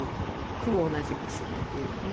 「苦を同じくする」っていうかね